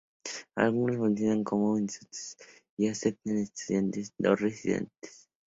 Algunos funcionan como institutos y aceptan a estudiantes no residentes.